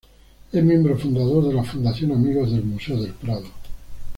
Es miembro fundador de la Fundación Amigos del Museo del Prado.